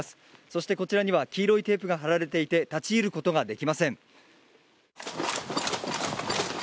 そしてこちらには黄色いテープが張られていて、立ち入ることができません。